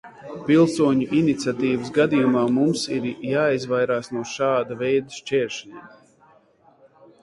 Pilsoņu iniciatīvas gadījumā mums ir jāizvairās no šāda veida šķēršļiem.